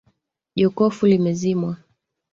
Jokofu limezimwa